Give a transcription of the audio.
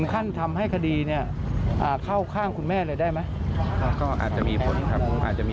ขั้นทำให้คดีนี่เข้าข้างคุณแม่เลยได้ไหม